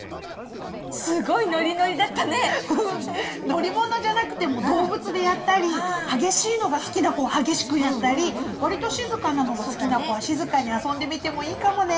乗り物じゃなくても動物でやったり激しいのが好きな子は激しくやったりわりと静かなのが好きな子は静かに遊んでみてもいいかもね！